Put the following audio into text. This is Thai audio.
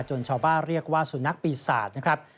ชาวบ้านเรียกว่าสุนัขปีศาจนะครับ